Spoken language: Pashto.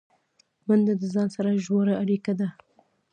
منډه د ځان سره ژوره اړیکه ده